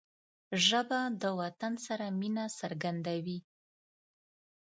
ژبه د وطن سره مینه څرګندوي